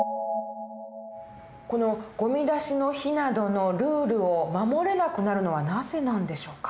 このゴミ出しの日などのルールを守れなくなるのはなぜなんでしょうか？